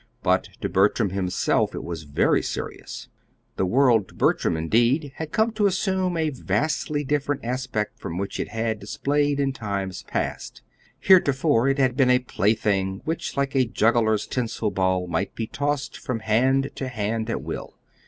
But to Bertram himself it was very serious. The world to Bertram, indeed, had come to assume a vastly different aspect from what it had displayed in times past. Heretofore it had been a plaything which like a juggler's tinsel ball might be tossed from hand to hand at will.